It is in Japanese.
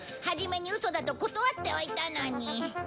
はじめにウソだと断っておいたのに。